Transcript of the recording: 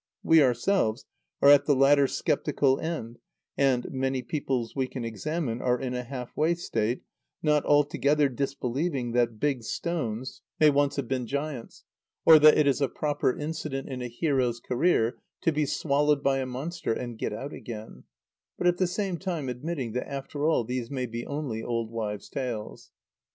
We ourselves are at the latter sceptical end, and many peoples we can examine are in a halfway state, not altogether disbelieving that big stones may once have been giants, or that it is a proper incident in a hero's career to be swallowed by a monster and get out again, but at the same time admitting that after all these may be only old wives' tales.